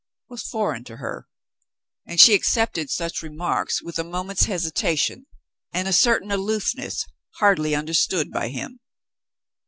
'^" was foreign to her, and she accepted such remarks with a moment's hesitation and a certain aloofness hardly understood by him.